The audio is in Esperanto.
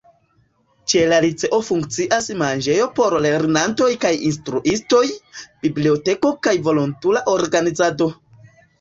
Ĉe la liceo funkcias manĝejo por lernantoj kaj instruistoj, biblioteko kaj volontula organizado.